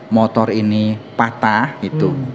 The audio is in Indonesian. motor ini patah gitu